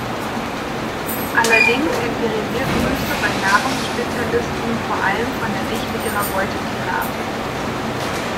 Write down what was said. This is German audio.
Allerdings hängt die Reviergröße bei Nahrungsspezialisten vor allem von der Dichte ihrer Beutetiere ab.